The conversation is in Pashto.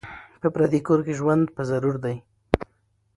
په پردي کور کي ژوند په ضرور دی